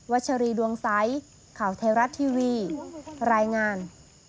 วัชรีดวงไซค์ข่าวเทราะทีวีรายงาน